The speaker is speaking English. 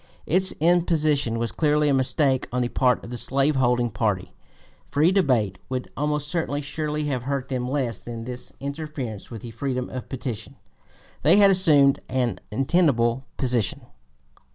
Its imposition was clearly a mistake on the part of the slave holding party; free debate would almost surely have hurt them less than this interference with the freedom of petition. They had assumed an untenable position.